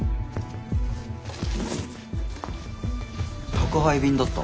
宅配便だった。